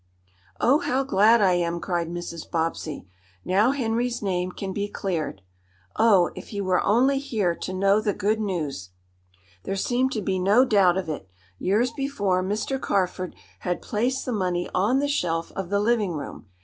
"Oh, how glad I am!" cried Mrs. Bobbsey. "Now Henry's name can be cleared! Oh, if he were only here to know the good news!" There seemed to be no doubt of it. Years before Mr. Carford had placed the money on the shelf of the living room.